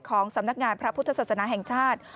สำนักงานพระพุทธศาสนาแห่งชาติ